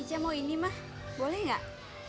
ica mau ini mah boleh gak